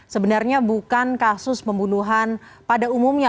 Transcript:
sebenarnya bukan kasus pembunuhan pada umumnya